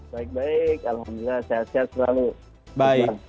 baik baik alhamdulillah sehat sehat selalu